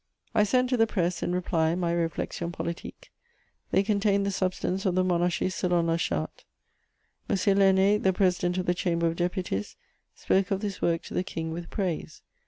I sent to the press, in reply, my Réflexions politiques; they contain the substance of the Monarchie selon la Charte. M. Lainé, the President of the Chamber of Deputies, spoke of this work to the King with praise.